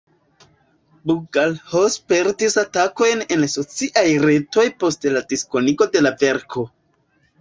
Bugalho spertis atakojn en sociaj retoj post la diskonigo de la verko.